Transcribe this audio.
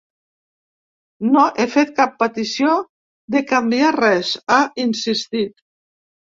No he fet cap petició de canviar res, ha insistit.